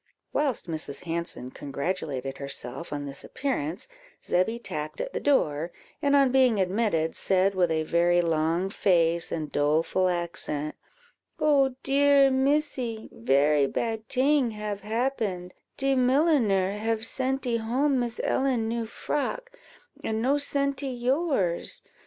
Whilst Mrs. Hanson congratulated herself on this appearance, Zebby tapped at the door, and, on being admitted, said, with a very long face and doleful accent "Oh dear, Missy, very bad ting have happened; de milliner have sentee home Miss Ellen new frock, and no sentee yours.